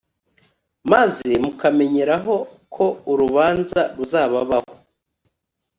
maze mukamenyereho ko urubanza ruzababaho